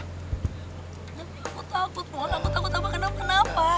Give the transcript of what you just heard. tapi aku takut mun aku takut abah kenapa kenapa